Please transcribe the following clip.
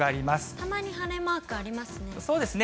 たまに晴れマークありますね。